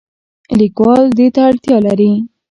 لیکوال دې ته اړتیا لري.